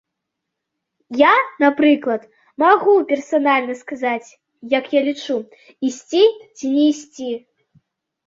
Я, напрыклад, магу персанальна сказаць як я лічу, ісці ці не ісці.